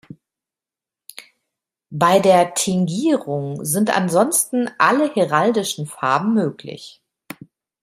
Bei der Tingierung sind ansonsten alle heraldischen Farben möglich.